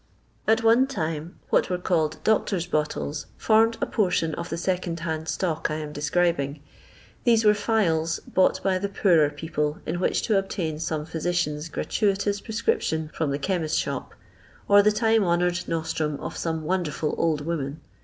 At one time what were called *' doctors' bottles" formed a portion of the second hand stock I am describing. These were phials bought by the poorer people, in which to obtain some physician's gratui tous prescription from the chemist's shop, or the time honoured nostrum of some wonderful old woman.